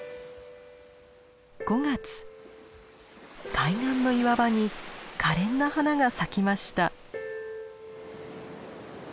海岸の岩場にかれんな花が咲きました。